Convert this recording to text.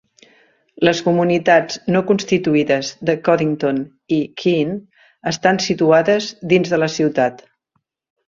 Les comunitats no constituïdes de Coddington i Keene estan situades dins de la ciutat.